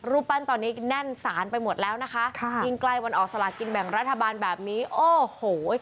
รูปปั้นตอนนี้แน่นสารไปหมดแล้วนะคะค่ะยิ่งใกล้วันออกสลากินแบ่งรัฐบาลแบบนี้โอ้โห